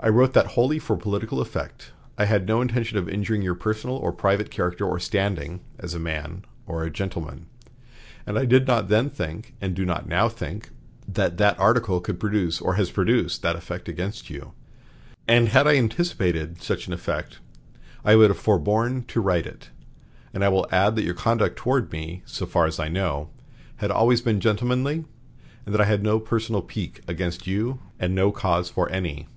I wrote that wholly for political effect; I had no intention of injuring your personal or private character or standing as a man or a gentleman; and I did not then think, and do not now think, that that article could produce or has produced that effect against you, and had I anticipated such an effect I would have forborne to write it. And I will add that your conduct toward me, so far as I know, had always been gentlemanly, and that I had no personal pique against you and no cause for any....